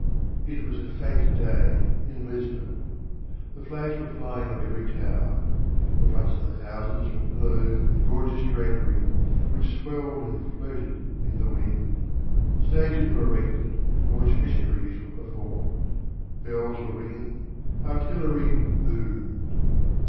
It was a fęte day in Lisbon. The flags were flying on every tower; the fronts of the houses were clothed in gorgeous drapery, which swelled and floated in the wind; stages were erected on which mysteries were performed; bells were ringing, artillery boomed.